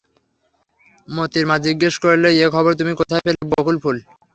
মোতির মা জিজ্ঞাসা করলে, এ খবর তুমি কোথায় পেলে বকুলফুল?